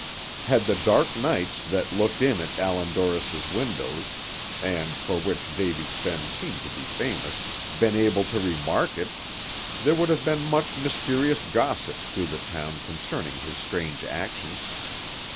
Had the dark nights that looked in at Allan Dorris's windows, and for which Davy's Bend seemed to be famous, been able to remark it, there would have been much mysterious gossip through the town concerning his strange actions.